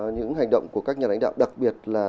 những hành động của các nhà lãnh đạo đặc biệt là